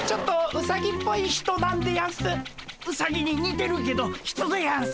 ウサギににてるけど人でやんす。